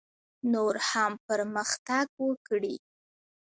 نور هم پرمختګ وکړي.